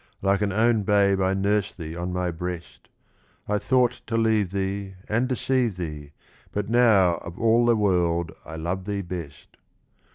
Like an own babe I nurse thee on my breast : I thought to leave thee And deceive thee, But now of all the world I love thee best.